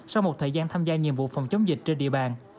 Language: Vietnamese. sau một thời gian tham gia nhiệm vụ phòng chống dịch trên địa bàn